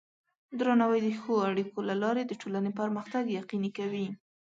درناوی د ښو اړیکو له لارې د ټولنې پرمختګ یقیني کوي.